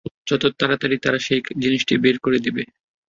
যত তাড়াতাড়ি তারা সেই জিনিসটি বের করে দিবে।